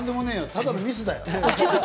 ただのミスだよ！